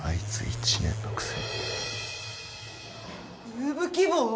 入部希望！？